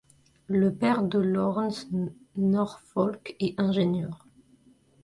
Le père de Lawrence Norfolk est ingénieur.